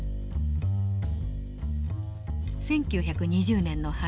１９２０年の春。